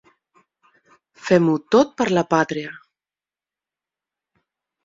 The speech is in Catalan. Fem-ho tot per la pàtria.